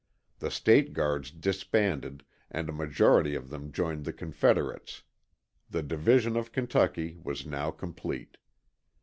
The State Guards disbanded and a majority of them joined the Confederates. The division of Kentucky was now complete.